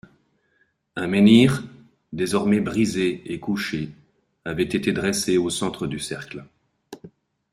Un menhir, désormais brisé et couché, avait été dressé au centre du cercle.